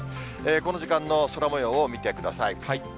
この時間の空もようを見てください。